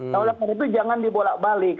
maka di dalam perbicaraan itu jangan dibolak balik